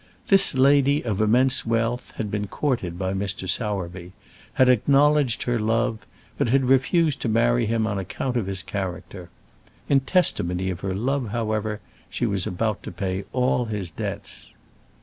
This lady of immense wealth had been courted by Mr. Sowerby, had acknowledged her love, but had refused to marry him on account of his character. In testimony of her love, however, she was about to pay all his debts.